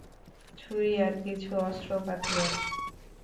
ছুরি আর কিছু অস্ত্রপাতিও আছে!